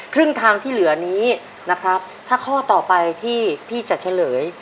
ครึ่งทางที่เหลือนี้นะครับถ้าข้อต่อไปที่พี่จะเฉลย